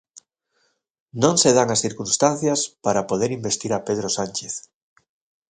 Non se dan as circunstancias para poder investir a Pedro Sánchez.